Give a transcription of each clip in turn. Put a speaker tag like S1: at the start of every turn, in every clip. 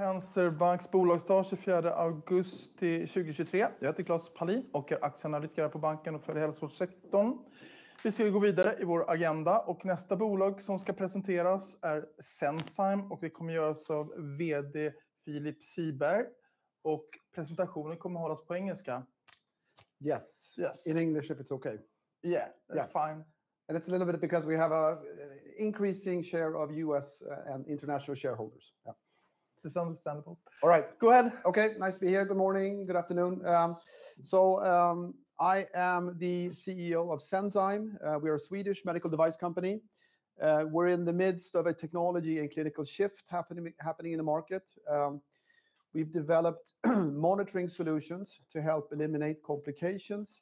S1: Penser Banks Bolagsdag, 24 augusti 2023. Jag heter Klas Palin och är aktieanalytiker på banken och för hälsovårdssektorn. Vi ska gå vidare i vår agenda och nästa bolag som ska presenteras är Senzime, och det kommer göras av VD Philip Siberg, och presentationen kommer att hållas på engelska.
S2: Yes.
S1: Yes.
S2: In English, if it's okay?
S1: Yeah.
S2: Yes.
S1: That's fine.
S2: It's a little bit because we have an increasing share of U.S. and international shareholders.
S1: It's understandable.
S2: All right.
S1: Go ahead.
S2: Nice to be here. Good morning, good afternoon. I am the CEO of Senzime. We are a Swedish medical device company. We're in the midst of a technology and clinical shift happening in the market. We've developed monitoring solutions to help eliminate complications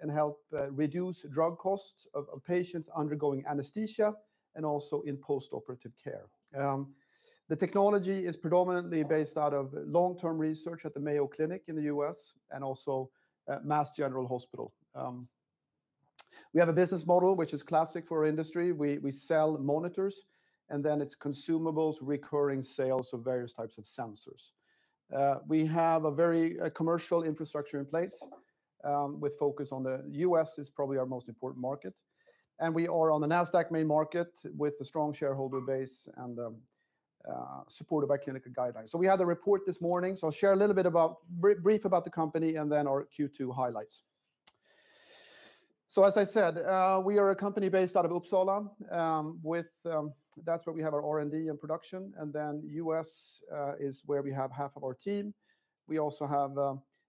S2: and help reduce drug costs of patients undergoing anesthesia and also in postoperative care. The technology is predominantly based out of long-term research at the Mayo Clinic in the U.S. and also at Mass General Hospital. We have a business model which is classic for our industry. We sell monitors, and then it's consumables, recurring sales of various types of sensors. We have a very commercial infrastructure in place with focus on the U.S. is probably our most important market, and we are on the NASDAQ main market with a strong shareholder base and supported by clinical guidelines. We had the report this morning, so I'll share a little bit about brief about the company and then our Q2 highlights. As I said, we are a company based out of Uppsala with... That's where we have our R&D and production, and then U.S. is where we have half of our team. We also have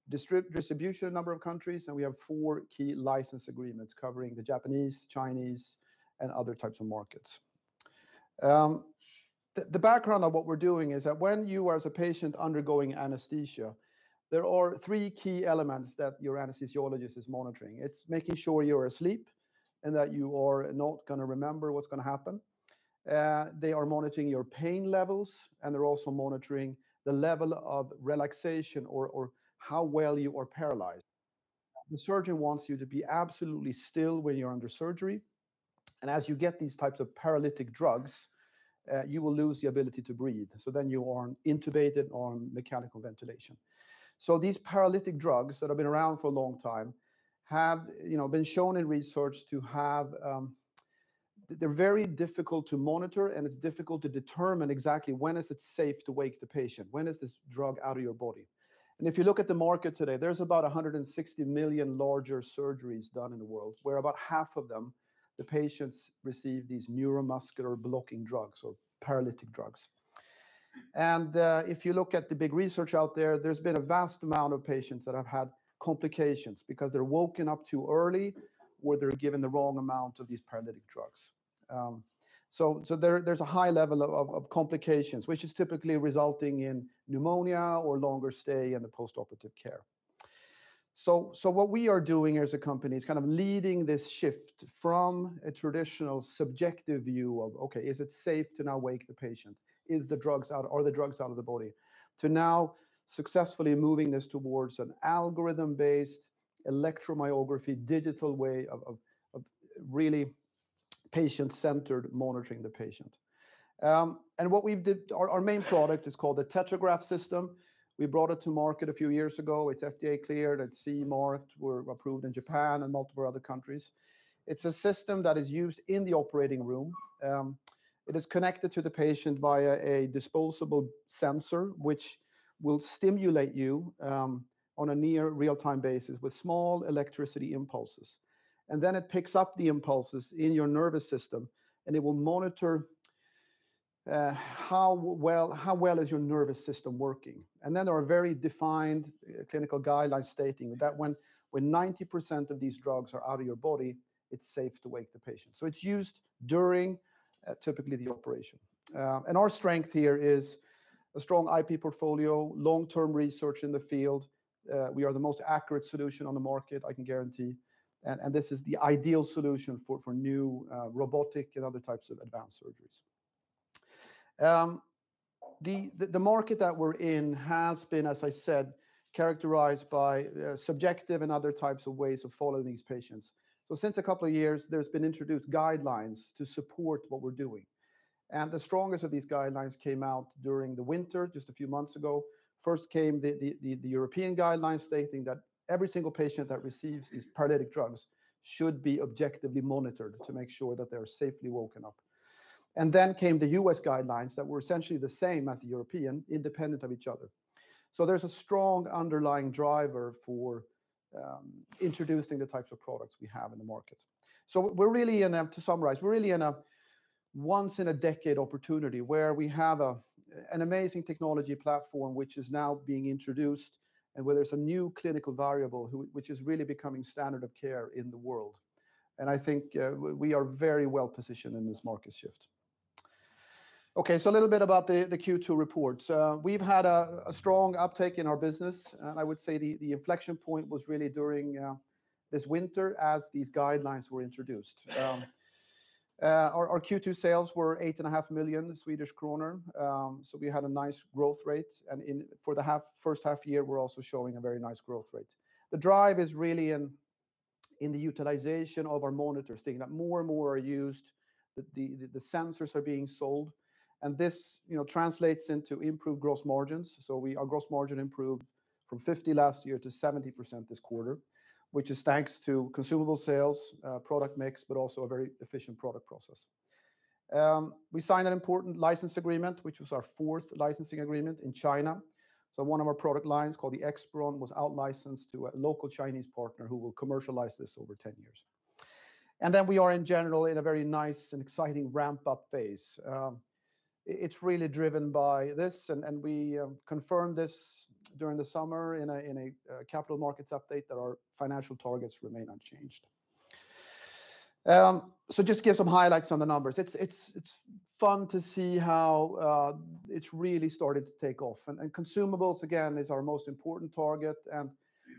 S2: distribution in a number of countries, and we have four key license agreements covering the Japanese, Chinese, and other types of markets. The background of what we're doing is that when you are, as a patient, undergoing anesthesia, there are three key elements that your anesthesiologist is monitoring. It's making sure you're asleep and that you are not going to remember what's going to happen. They are monitoring your pain levels, and they're also monitoring the level of relaxation or how well you are paralyzed. The surgeon wants you to be absolutely still when you're under surgery, and as you get these types of paralytic drugs, you will lose the ability to breathe. So then you are intubated on mechanical ventilation. So these paralytic drugs that have been around for a long time have been shown in research to have... They're very difficult to monitor, and it's difficult to determine exactly when is it safe to wake the patient, when is this drug out of your body? If you look at the market today, there's about 160 million larger surgeries done in the world, where about half of them, the patients receive these neuromuscular blocking drugs or paralytic drugs. If you look at the big research out there, there's been a vast amount of patients that have had complications because they're woken up too early, or they're given the wrong amount of these paralytic drugs. So there's a high level of complications, which is typically resulting in pneumonia or longer stay in the postoperative care. What we are doing as a company is kind of leading this shift from a traditional subjective view of, "Okay, is it safe to now wake the patient? Are the drugs out of the body?" to now successfully moving this towards an algorithm-based electromyography, digital way of really patient-centered monitoring the patient. And what we've did... Our main product is called the TetraGraph System. We brought it to market a few years ago. It's FDA cleared and CE marked. We're approved in Japan and multiple other countries. It's a system that is used in the operating room. It is connected to the patient via a disposable sensor, which will stimulate you on a near real-time basis with small electricity impulses. It picks up the impulses in your nervous system, and it will monitor how well your nervous system is working. There are very defined clinical guidelines stating that when 90% of these drugs are out of your body, it's safe to wake the patient. So it's used during, typically, the operation. Our strength here is a strong IP portfolio, long-term research in the field. We are the most accurate solution on the market, I can guarantee, and this is the ideal solution for new robotic and other types of advanced surgeries. The market that we're in has been, as I said, characterized by subjective and other types of ways of following these patients. Since a couple of years, there's been introduced guidelines to support what we're doing, and the strongest of these guidelines came out during the winter, just a few months ago. First came the European guidelines, stating that every single patient that receives these paralytic drugs should be objectively monitored to make sure that they are safely woken up. And then came the U.S. guidelines that were essentially the same as the European, independent of each other. There's a strong underlying driver for introducing the types of products we have in the market. We're really in a-- To summarize, we're really in a once-in-a-decade opportunity where we have an amazing technology platform, which is now being introduced, and where there's a new clinical variable, which is really becoming standard of care in the world. I think we are very well-positioned in this market shift. Okay, so a little bit about the Q2 report. We've had a strong uptake in our business, and I would say the inflection point was really during this winter as these guidelines were introduced. Our Q2 sales were 8.5 million Swedish kronor. So we had a nice growth rate, and for the first half-year, we're also showing a very nice growth rate. The drive is really in the utilization of our monitors, seeing that more and more are used, the sensors are being sold, and this translates into improved gross margins. Our gross margin improved from 50% last year to 70% this quarter, which is thanks to consumable sales, product mix, but also a very efficient product process. We signed an important license agreement, which was our fourth licensing agreement in China. One of our product lines, called the ExSpiron, was out-licensed to a local Chinese partner who will commercialize this over ten years. We are, in general, in a very nice and exciting ramp-up phase. It's really driven by this, and we confirmed this during the summer in a capital-markets update, that our financial targets remain unchanged. Just to give some highlights on the numbers, it's fun to see how it's really started to take off, and consumables, again, is our most important target.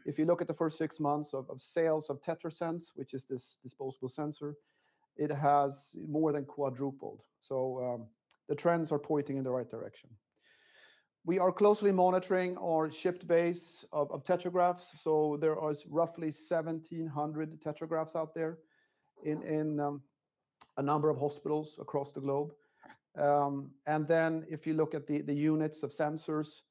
S2: If you look at the first six months of sales of TetraSens, which is this disposable sensor, it has more than quadrupled. The trends are pointing in the right direction. We are closely monitoring our shipped base of Tetragraphs, so there is roughly 1,700 Tetragraphs out there in a number of hospitals across the globe. If you look at the units of sensors,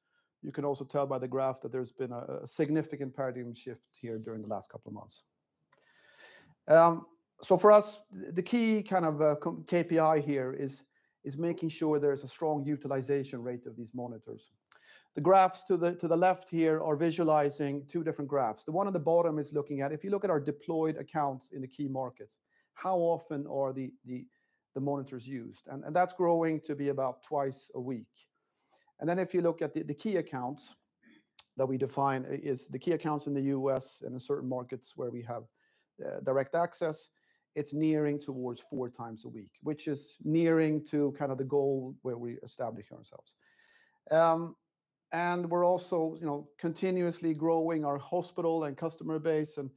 S2: you can also tell by the graph that there's been a significant paradigm shift here during the last couple of months. So for us, the key kind of KPI here is making sure there is a strong utilization rate of these monitors. The graphs to the left here are visualizing two different graphs. The one on the bottom is looking at, if you look at our deployed accounts in the key markets, how often are the monitors used? And that's growing to be about twice a week. And then if you look at the key accounts that we define, is the key accounts in the U.S. and in certain markets where we have direct access, it's nearing towards four times a week, which is nearing to kind of the goal where we establish ourselves. We're also continuously growing our hospital and customer base, and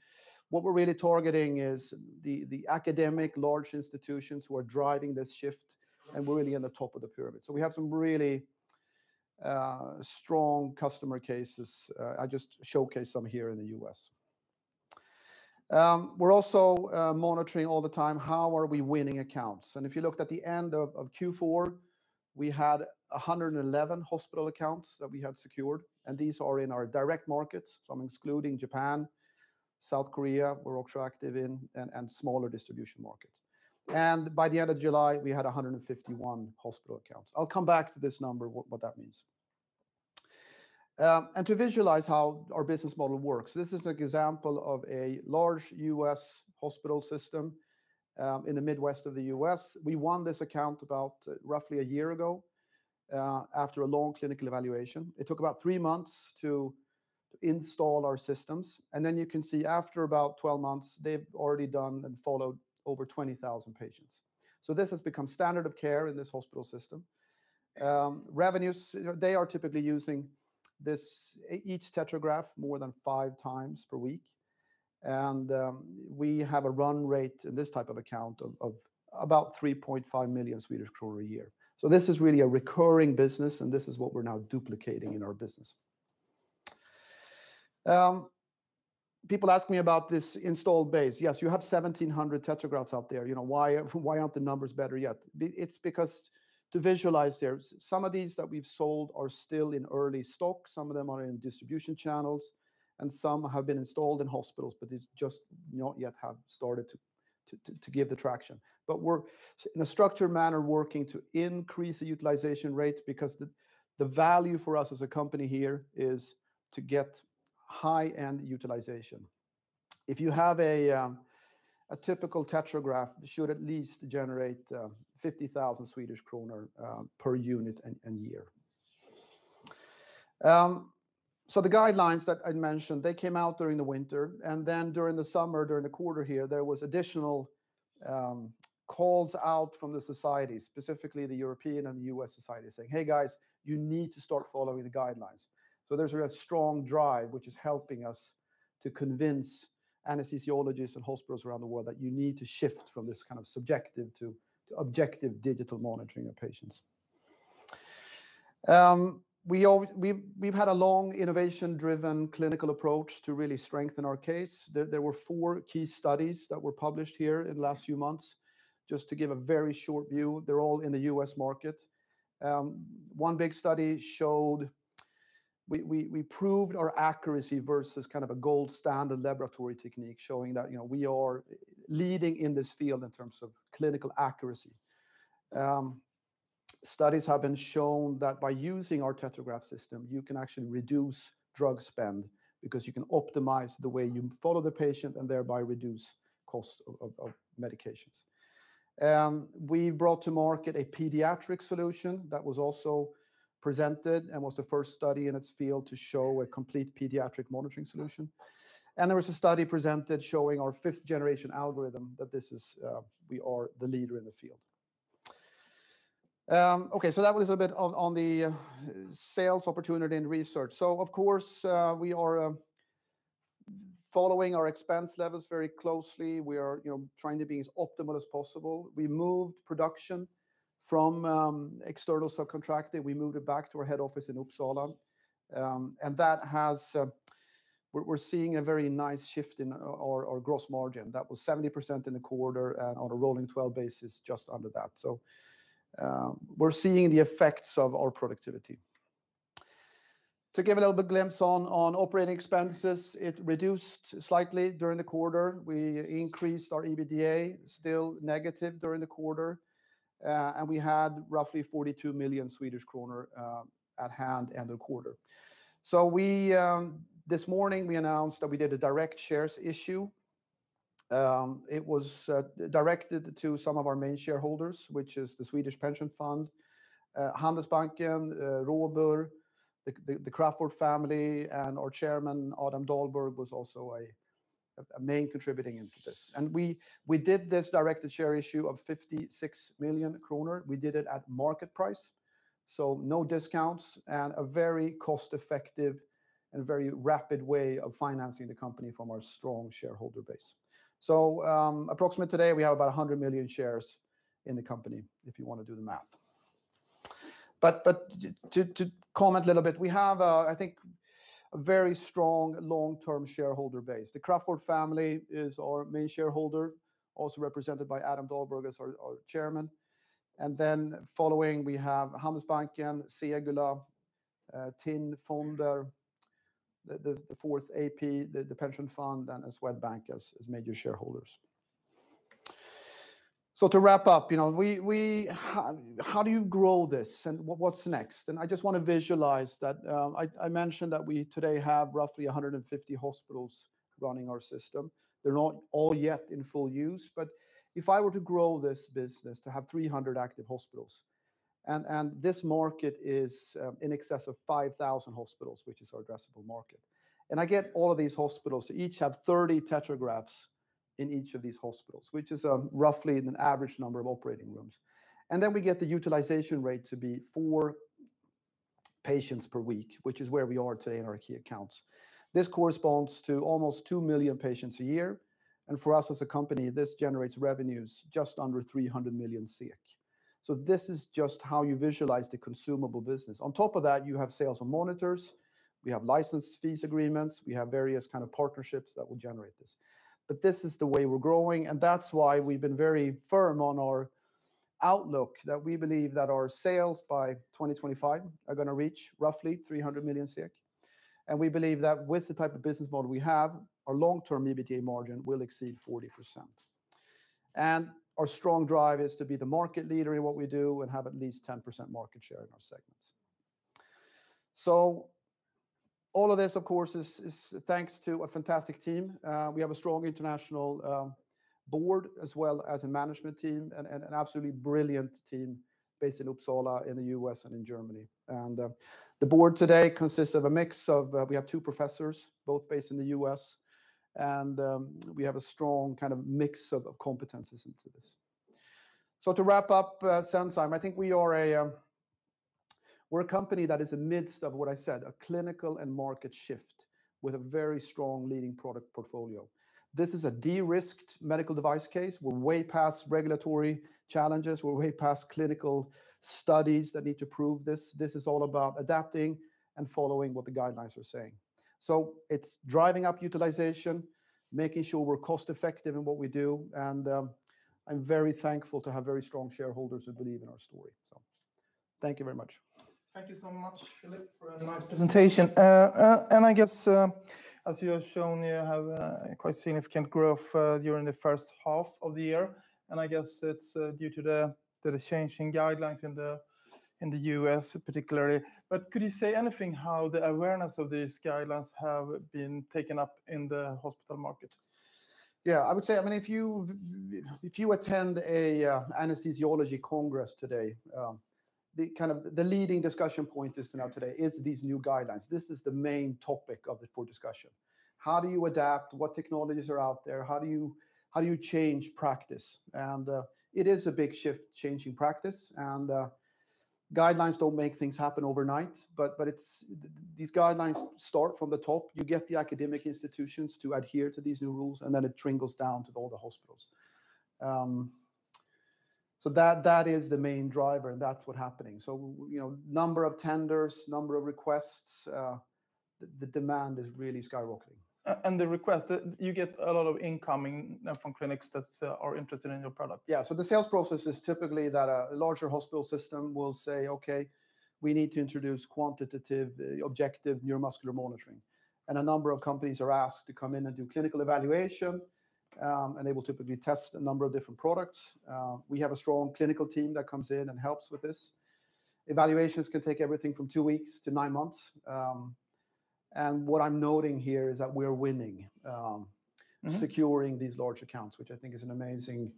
S2: what we're really targeting is the academic large institutions who are driving this shift, and we're really in the top of the pyramid. So we have some really strong customer cases. I just showcased some here in the US. We're also monitoring all the time, how are we winning accounts? If you looked at the end of Q4, we had 111 hospital accounts that we had secured, and these are in our direct markets, so I'm excluding Japan, South Korea, we're also active in, and smaller distribution markets. By the end of July, we had 151 hospital accounts. I'll come back to this number, what that means. To visualize how our business model works, this is an example of a large U.S. hospital system in the Midwest of the U.S. We won this account about roughly a year ago after a long clinical evaluation. It took about three months to install our systems, and then you can see after about twelve months, they've already done and followed over twenty thousand patients. So this has become standard of care in this hospital system. Revenues, you know, they are typically using this, each TetraGraph more than five times per week, and we have a run rate in this type of account of about 3.5 million Swedish kroner a year. So this is really a recurring business, and this is what we're now duplicating in our business. People ask me about this installed base. Yes, you have 1,700 Tetragraphs out there, you know, why aren't the numbers better yet? It's because to visualize there, some of these that we've sold are still in early stock, some of them are in distribution channels, and some have been installed in hospitals, but it's just not yet have started to give the traction. But we're, in a structured manner, working to increase the utilization rates because the value for us as a company here is to get high-end utilization. If you have a typical Tetragraph, it should at least generate 50,000 Swedish kronor per unit and year. The guidelines that I'd mentioned, they came out during the winter, and then during the summer, during the quarter here, there was additional calls out from the society, specifically the European and the U.S. society, saying, "Hey, guys, you need to start following the guidelines." So there's a strong drive, which is helping us to convince anesthesiologists and hospitals around the world that you need to shift from this kind of subjective to objective digital monitoring of patients. We've had a long, innovation-driven clinical approach to really strengthen our case. There were four key studies that were published here in the last few months. Just to give a very short view, they're all in the U.S. market. One big study showed... We proved our accuracy versus kind of a gold-standard laboratory technique, showing that, you know, we are leading in this field in terms of clinical accuracy. Studies have been shown that by using our TetraGraph system, you can actually reduce drug spend, because you can optimize the way you follow the patient and thereby reduce cost of medications. We brought to market a pediatric solution that was also presented and was the first study in its field to show a complete pediatric monitoring solution. There was a study presented showing our fifth-generation algorithm, that this is, we are the leader in the field. Okay, so that was a little bit on the sales opportunity and research. So of course, we are following our expense levels very closely. We are trying to be as optimal as possible. We moved production from external subcontractor, we moved it back to our head office in Uppsala. And that has, we're seeing a very nice shift in our gross margin. That was 70% in the quarter, and on a rolling 12 basis, just under that. So we're seeing the effects of our productivity. To give a little bit glimpse on operating expenses, it reduced slightly during the quarter. We increased our EBITDA, still negative during the quarter, and we had roughly 42 million Swedish kronor at hand, end of quarter. So this morning we announced that we did a direct shares issue. It was directed to some of our main shareholders, which is the Swedish Pension Fund, Handelsbanken, Robur, the Crafoord family, and our chairman, Adam Dahlberg, was also a main contributing into this. We did this directed share issue of 56 million kronor. We did it at market price, so no discounts, and a very cost-effective and very rapid way of financing the company from our strong shareholder base. Approximately today, we have about 100 million shares in the company, if you want to do the math. But to comment a little bit, we have a, I think, a very strong long-term shareholder base. The Crafoord family is our main shareholder, also represented by Adam Dahlberg as our chairman, and then following, we have Handelsbanken, Segulah, TIN Fonder, the fourth AP, the pension fund, and Swedbank as major shareholders. So to wrap up, how do you grow this, and what's next? I just want to visualize that. I mentioned that we today have roughly 150 hospitals running our system. They're not all yet in full use, but if I were to grow this business to have 300 active hospitals, and this market is in excess of 5,000 hospitals, which is our addressable market, and I get all of these hospitals to each have 30 TetraGraphs in each of these hospitals, which is roughly an average number of operating rooms, and then we get the utilization rate to be four patients per week, which is where we are today in our key accounts. This corresponds to almost two million patients a year, and for us as a company, this generates revenues just under 300 million. This is just how you visualize the consumable business. On top of that, you have sales on monitors, we have license fees agreements, we have various kind of partnerships that will generate this, but this is the way we're growing, and that's why we've been very firm on our outlook that we believe that our sales by 2025 are going to reach roughly 300 million, and we believe that with the type of business model we have, our long-term EBITDA margin will exceed 40%. Our strong drive is to be the market leader in what we do and have at least 10% market share in our segments. So all of this, of course, is thanks to a fantastic team. We have a strong international board, as well as a management team, and an absolutely brilliant team based in Uppsala, in the U.S., and in Germany. The board today consists of a mix of, we have two professors, both based in the U.S., and we have a strong kind of mix of competencies into this. To wrap up, Senzime, I think we are a company that is in the midst of what I said, a clinical and market shift with a very strong leading product portfolio. This is a de-risked medical device case. We're way past regulatory challenges. We're way past clinical studies that need to prove this. This is all about adapting and following what the guidelines are saying. It's driving up utilization, making sure we're cost-effective in what we do, and I'm very thankful to have very strong shareholders who believe in our story. Thank you very much.
S1: Thank you so much, Philip, for a nice presentation. And I guess, as you have shown, you have quite significant growth during the first half of the year, and I guess it's due to the changing guidelines in the U.S. particularly. But could you say anything how the awareness of these guidelines have been taken up in the hospital market?
S2: I would say, I mean, if you attend an anesthesiology congress today, the kind of leading discussion point to know today is these new guidelines. This is the main topic of the full discussion. How do you adapt? What technologies are out there? How do you change practice? It is a big shift, changing practice, and guidelines don't make things happen overnight, but these guidelines start from the top. You get the academic institutions to adhere to these new rules, and then it trickles down to all the hospitals. So that is the main driver, and that's what's happening. You know, number of tenders, number of requests, the demand is really skyrocketing.
S1: And the request, you get a lot of incoming from clinics that are interested in your product?
S2: The sales process is typically that a larger hospital system will say, "Okay, we need to introduce quantitative, objective neuromuscular monitoring." A number of companies are asked to come in and do clinical evaluation, and they will typically test a number of different products. We have a strong clinical team that comes in and helps with this. Evaluations can take everything from two weeks to nine months. What I'm noting here is that we're winning.
S1: Mm-hmm
S2: Securing these large accounts, which I think is an amazing,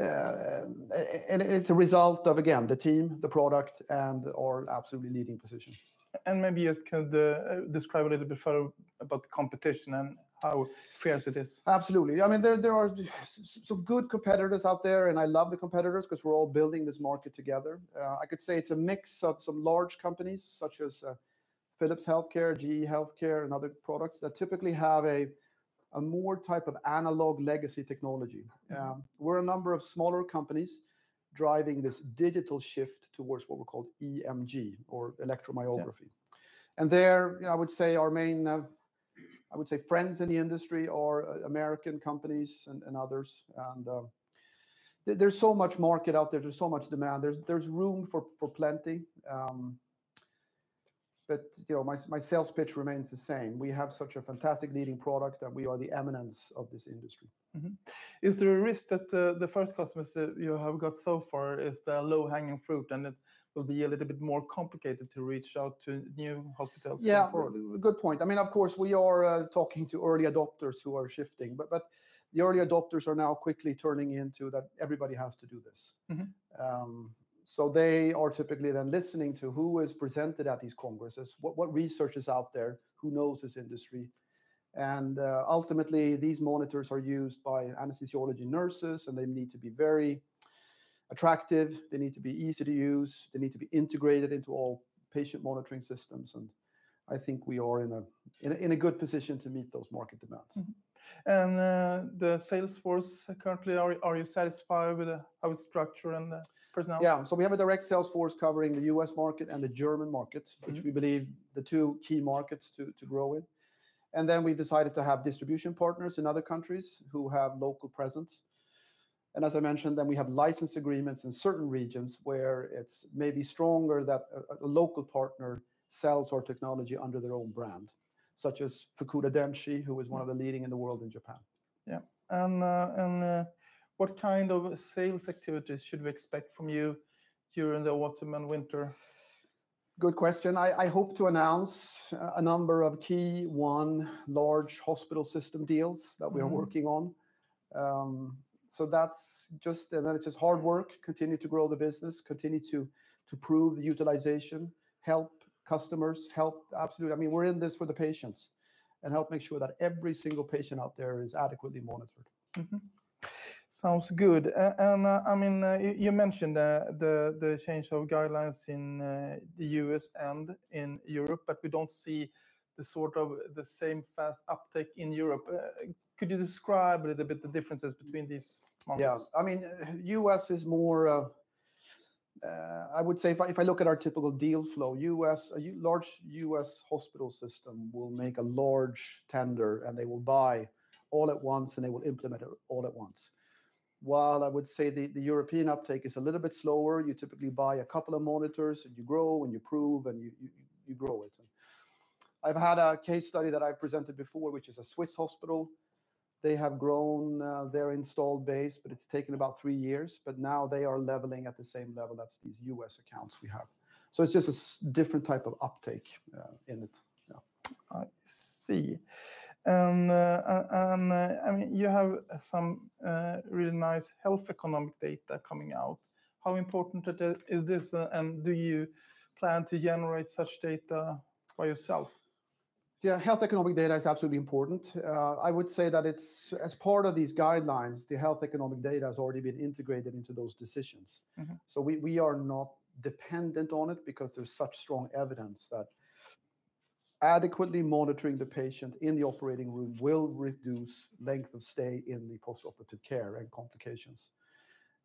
S2: and it's a result of, again, the team, the product, and our absolutely leading position.
S1: Maybe just could describe a little bit further about the competition and how fierce it is.
S2: Absolutely. I mean, there are some good competitors out there, and I love the competitors because we're all building this market together. I could say it's a mix of some large companies, such as Philips Healthcare, GE Healthcare, and other products, that typically have a more type of analog legacy technology.
S1: Mm-hmm.
S2: We're a number of smaller companies driving this digital shift towards what we call EMG or electromyography.
S1: Yeah.
S2: There, I would say our main friends in the industry are American companies and others. There's so much market out there, there's so much demand. There's room for plenty, but you know, my sales pitch remains the same. We have such a fantastic leading product, and we are the eminence of this industry.
S1: Is there a risk that the first customers that you have got so far is the low-hanging fruit, and it will be a little bit more complicated to reach out to new hospitals going forward?
S2: Good point. I mean, of course, we are talking to early adopters who are shifting, but the early adopters are now quickly turning into that everybody has to do this.
S1: Mm-hmm.
S2: So they are typically then listening to who is presented at these congresses, what research is out there, who knows this industry, and ultimately, these monitors are used by anesthesiology nurses, and they need to be very attractive. They need to be easy to use. They need to be integrated into all patient monitoring systems, and I think we are in a good position to meet those market demands.
S1: Mm-hmm. The sales force currently, are you satisfied with how it's structured and the personnel?
S2: Yeah. So we have a direct sales force covering the U.S. market and the German market.
S1: Mm-hmm
S2: Which we believe the two key markets to grow in, and then we've decided to have distribution partners in other countries who have local presence. As I mentioned, then we have license agreements in certain regions where it's maybe stronger that a local partner sells our technology under their own brand, such as Fukuda Denshi, who is one of the leading in the world in Japan.
S1: What kind of sales activities should we expect from you during the autumn and winter?
S2: Good question. I hope to announce a number of key one large hospital system deals.
S1: Mm-hmm
S2: That we are working on. So that's just, and then it's just hard work, continue to grow the business, continue to prove the utilization, help customers. Absolutely, I mean, we're in this for the patients, and help make sure that every single patient out there is adequately monitored.
S1: Sounds good. And I mean, you mentioned the change of guidelines in the U.S. and in Europe, but we don't see the same fast uptake in Europe. Could you describe a little bit the differences between these markets?
S2: I mean, U.S. is more, I would say if I look at our typical deal flow, U.S., a large U.S. hospital system will make a large tender, and they will buy all at once, and they will implement it all at once. While I would say the European uptake is a little bit slower. You typically buy a couple of monitors, and you grow, and you prove, and you grow it. I've had a case study that I've presented before, which is a Swiss hospital. They have grown their installed base, but it's taken about three years, but now they are leveling at the same level as these U.S. accounts we have. So it's just a different type of uptake in it.
S1: I see. And you have some really nice health economic data coming out. How important is this, and do you plan to generate such data by yourself?
S2: Yeah, health economic data is absolutely important. I would say that it's, as part of these guidelines, the health economic data has already been integrated into those decisions.
S1: Mm-hmm.
S2: We are not dependent on it because there's such strong evidence that adequately monitoring the patient in the operating room will reduce length of stay in the post-operative care and complications.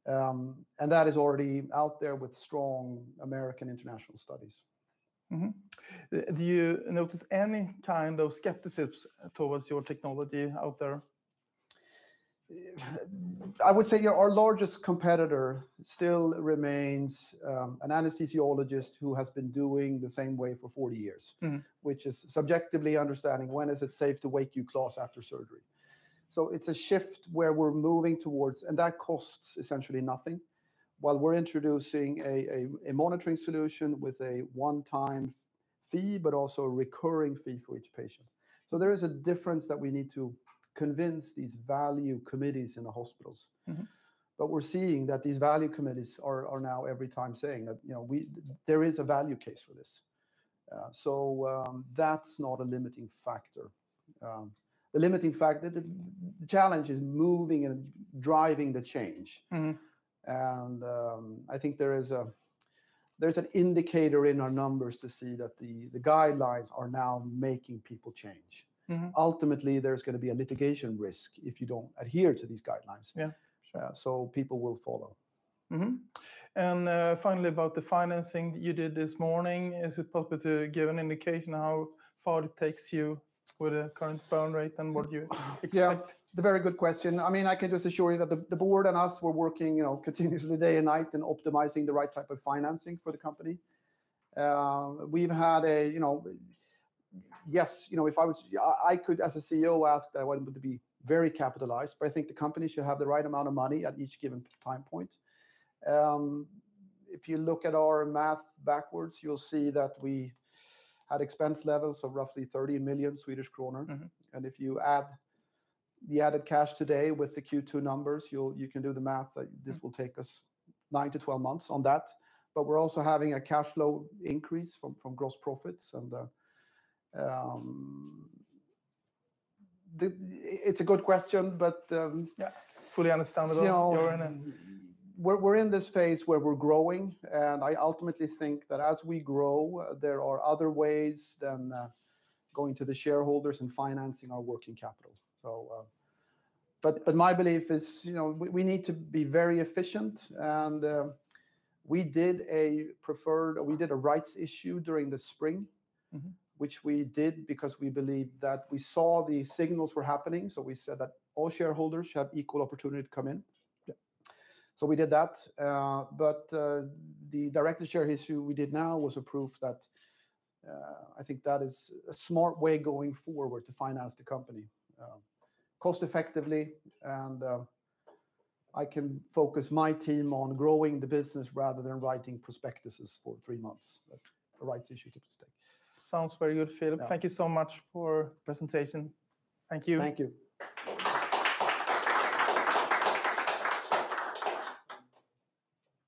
S2: And that is already out there with strong American international studies.
S1: Do you notice any kind of skepticism towards your technology out there?
S2: I would say, yeah, our largest competitor still remains an anesthesiologist who has been doing the same way for 40 years.
S1: Mm-hmm
S2: which is subjectively understanding when is it safe to wake you close after surgery. So it's a shift where we're moving towards, and that costs essentially nothing, while we're introducing a monitoring solution with a one-time fee but also a recurring-fee for each patient. So there is a difference that we need to convince these value committees in the hospitals.
S1: Mm-hmm.
S2: We're seeing that these value committees are now every time saying that, you know, there is a value case for this. So that's not a limiting factor. The limiting factor, the challenge is moving and driving the change.
S1: Mm-hmm.
S2: I think there is an indicator in our numbers to see that the guidelines are now making people change.
S1: Mm-hmm.
S2: Ultimately, there's going to be a litigation risk if you don't adhere to these guidelines.
S1: Yeah. Sure.
S2: So people will follow.
S1: And finally, about the financing that you did this morning, is it possible to give an indication how far it takes you with the current burn rate and what you expect?
S2: A very good question. I mean, I can just assure you that the board and us were working, you know, continuously, day and night and optimizing the right type of financing for the company. We've had a... Yes, you know, if I was, I could, as a CEO, ask that I wanted to be very capitalized, but I think the company should have the right amount of money at each given time point. If you look at our math backwards, you'll see that we had expense levels of roughly 30 million Swedish kronor.
S1: Mm-hmm.
S2: If you add the added cash today with the Q2 numbers, you can do the math that-
S1: Mm
S2: This will take us nine to 12 months on that, but we're also having a cash flow increase from gross profits, and it's a good question, but...
S1: Yeah, fully understandable, Göran, and-
S2: You know, we're in this phase where we're growing, and I ultimately think that as we grow, there are other ways than going to the shareholders and financing our working capital. But my belief is, you know, we need to be very efficient, and we did a preferred-
S1: Mm
S2: We did a rights issue during the spring.
S1: Mm-hmm
S2: Which we did because we believed that we saw the signals were happening, so we said that all shareholders should have equal opportunity to come in.
S1: Yeah.
S2: We did that, but the directed share issue we did now was a proof that I think that is a smart way going forward to finance the company cost effectively, and I can focus my team on growing the business rather than writing prospectuses for three months, like a rights issue typically takes.
S1: Sounds very good, Philip.
S2: Yeah.
S1: Thank you so much for presentation. Thank you.
S2: Thank you.